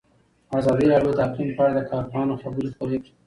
ازادي راډیو د اقلیم په اړه د کارپوهانو خبرې خپرې کړي.